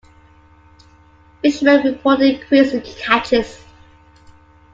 Fishermen reported increase in catches.